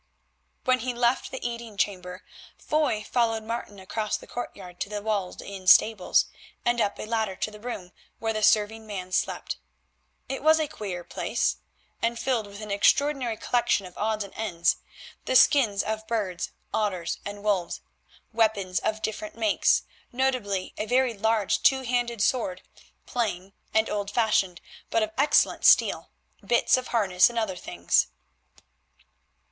When he left the eating chamber Foy followed Martin across the courtyard to the walled in stables, and up a ladder to the room where the serving man slept. It was a queer place, and filled with an extraordinary collection of odds and ends; the skins of birds, otters, and wolves; weapons of different makes, notably a very large two handed sword, plain and old fashioned, but of excellent steel; bits of harness and other things.